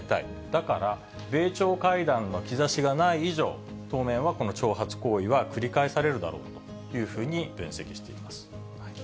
だから米朝会談の兆しがない以上、当面はこの挑発行為は繰り返されるだろうというふうに見ています。